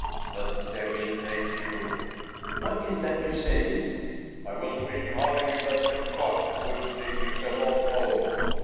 The devil take you ! Hjalmar. What is that you're saying ? Relling. I was wishing heartily that the quack would take himself off home.